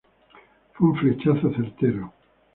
Fue un flechazo certero.